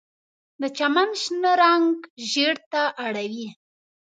د چمن شنه رنګ ژیړ ته اړوي